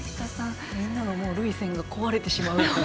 みんなの涙腺が壊れてしまうような。